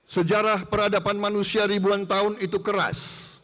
sejarah peradaban manusia ribuan tahun itu keras